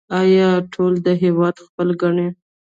آیا ټول دا هیواد خپل ګڼي؟